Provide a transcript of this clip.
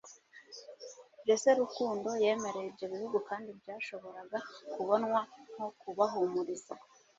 Jesse Rukundo yemereye ibyo bihugu kandi byashoboraga kubonwa nko kubahumuriza